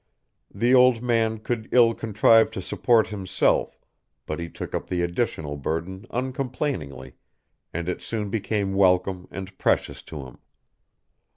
The old man could ill contrive to support himself, but he took up the additional burden uncomplainingly, and it soon became welcome and precious to him.